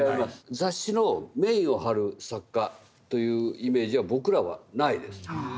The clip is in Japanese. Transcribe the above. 雑誌のメインを張る作家というイメージは僕らはないです。